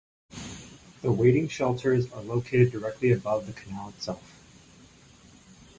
The waiting shelters are located directly above the canal itself.